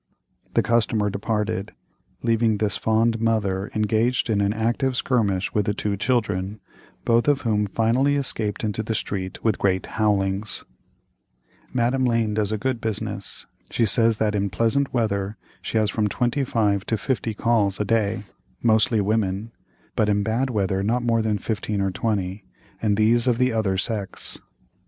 The customer departed, leaving this fond mother engaged in an active skirmish with the two children, both of whom finally escaped into the street with great howlings. Madame Lane does a good business. She says that in pleasant weather she has from twenty five to fifty calls a day, mostly women; but in bad weather not more than fifteen or twenty, and these of the other sex.